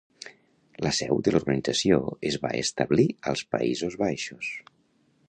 La seu de l'organització es va establir als Països Baixos.